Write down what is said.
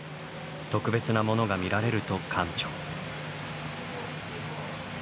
「特別なものが見られる」と館長。